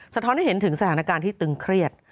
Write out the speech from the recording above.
สะท้อนให้เห็นถึงสถานการณ์ที่ตึงเครียด